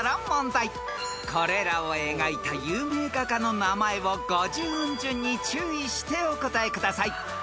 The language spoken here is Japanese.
［これらを描いた有名画家の名前を５０音順に注意してお答えください］